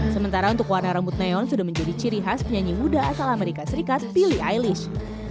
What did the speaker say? sementara untuk warna rambut neon sudah menjadi ciri khas penyanyi muda asal amerika serikat billy ilish